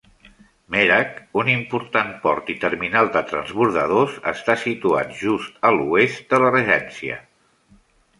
Merak, un important port i terminal de transbordadors, està situat just a l'oest de la regència.